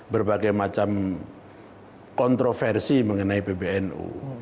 berbagai macam kontroversi mengenai pbnu